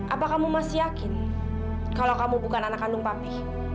apa kamu masih yakin kalau kamu bukan anak kandung papi